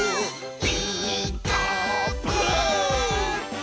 「ピーカーブ！」